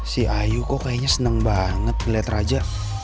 si ayu kok kayaknya senang banget ngeliat raja